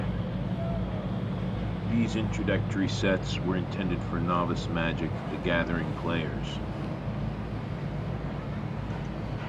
These introductory sets were intended for novice Magic: The Gathering players.